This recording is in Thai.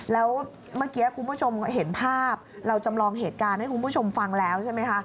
แล้วเมื่อกี้คุณผู้ชมเห็นภาพเราจำลองเหตุการณ์ให้คุณผู้ชมฟังแล้วใช่ไหมคะ